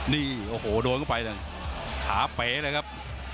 นี่โอ้โหโดนก็ไปแล้วขาเป๋เลยครับ